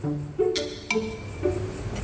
mimpi apa sih